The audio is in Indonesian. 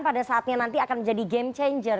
pada saatnya nanti akan menjadi game changer